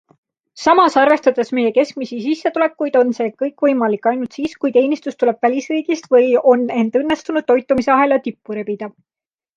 Samas arvestades meie keskmisi sissetulekuid on see kõik võimalik ainult siis, kui teenistus tuleb välisriigist või on end õnnestunud toitumisahela tippu rebida.